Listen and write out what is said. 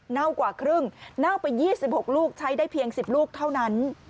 กว่าครึ่งเน่าไป๒๖ลูกใช้ได้เพียง๑๐ลูกเท่านั้น